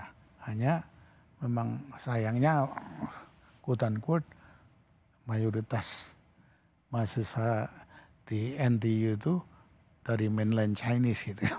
hanya memang sayangnya quote unquote mayoritas mahasiswa di ntu itu dari mainland chinese